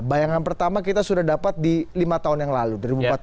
bayangan pertama kita sudah dapat di lima tahun yang lalu